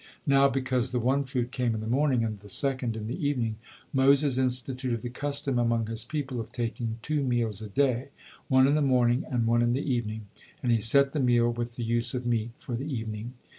Now, because the one food came in the morning and the second in the evening, Moses instituted the custom among his people of taking two meals a day, one in the morning and one in the evening; and he set the meal with the use of meat for the evening.